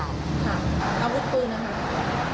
อาวุธปืนนะคะ